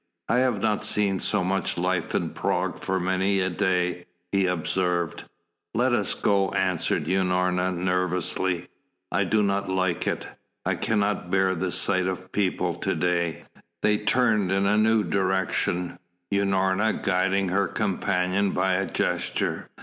"I have not seen so much life in Prague for many a day," he observed. "Let us go," answered Unorna, nervously. "I do not like it. I cannot bear the sight of people to day." They turned in a new direction, Unorna guiding her companion by a gesture.